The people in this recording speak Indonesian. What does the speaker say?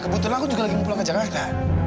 kebetulan aku juga lagi mau pulang ke jakarta